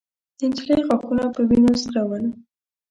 د نجلۍ غاښونه په وينو سره ول.